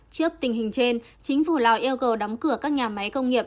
trước tình hình trên chính phủ lào yêu cầu đóng cửa các nhà máy công nghiệp